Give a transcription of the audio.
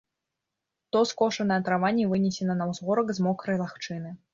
То скошаная трава не вынесена на ўзгорак з мокрай лагчыны.